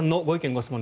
・ご質問